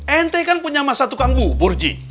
ente kan punya masa tukang bubur ji